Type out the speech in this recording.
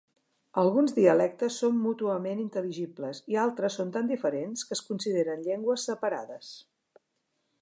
Alguns dialectes són mútuament intel·ligibles i altres són tan diferents que es consideren llengües separades.